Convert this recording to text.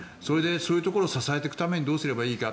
そういうところを支えていくためにどうすればいいか。